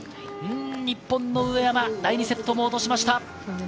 日本の上山、第２セットも落としました。